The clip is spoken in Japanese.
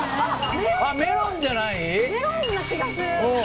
メロンな気がする。